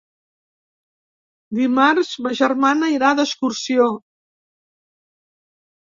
Dimarts ma germana irà d'excursió.